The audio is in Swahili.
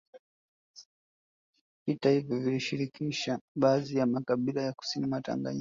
Vita hivyo vilishirikisha baadhi ya makabila ya kusini mwa Tanganyika